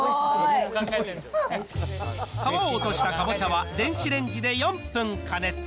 皮を落としたかぼちゃは電子レンジで４分加熱。